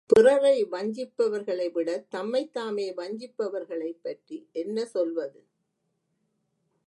பிறரை வஞ்சிப்பவர்களைவிடத் தம்மைத்தாமே வஞ்சிப்பவர்களைப் பற்றி என்ன சொல்வது?